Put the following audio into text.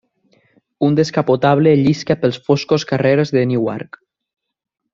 Un descapotable llisca pels foscos carrers de Newark.